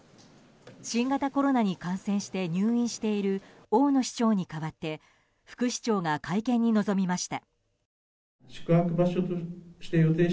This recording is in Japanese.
新型コロナに感染して入院している大野市長に代わって副市長が会見に臨みました。